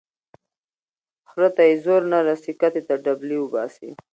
ـ خره ته يې زور نه رسي کتې ته ډبلي اوباسي.